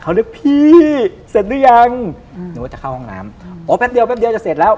เขานึกพี่เสร็จหรือยังอืมนึกว่าจะเข้าห้องน้ำอ๋อแป๊บเดียวแป๊บเดียวจะเสร็จแล้ว